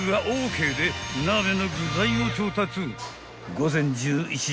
［午前１１時